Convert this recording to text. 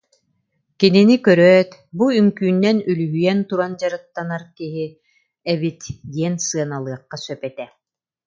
Кинини көрөөт, бу үҥкүүнэн үлүһүйэн туран дьарыктанар киһи эбит диэн сыаналыахха сөп этэ